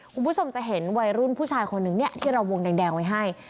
คุณผู้ชมจะเห็นวัยรุ่นผู้ชายคนนึงเนี่ยที่เราวงแดงไว้ให้